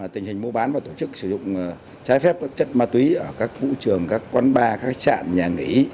tình hình mua bán và tổ chức sử dụng trái phép các chất ma túy ở các vũ trường các quán bar các trạm nhà nghỉ